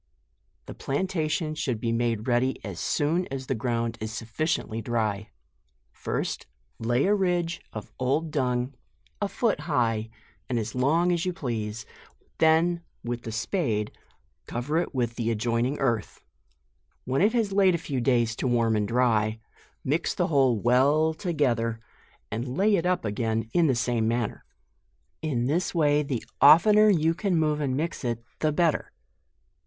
The plantation should be made ready as soon as the ground is sufficiently dry. First lay a ridge of old dun^ a foot high, and as long as you please, then with the spade cover it with the adjoining earth ; when it has laid a few days to warm and dry, mix the whole well together, and lay it up again in the same manner. In this way the oftener you can move and mix it, the better.